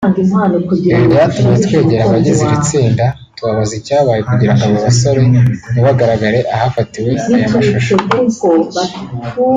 Ibi byatumye twegera abagize iri tsinda tubabaza icyabaye kugira ngo aba basore ntibagaragare ahafatiwe aya mashusho